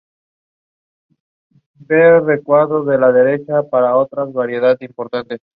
No tuvo más hijos.